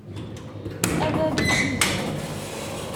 A bab n yiger.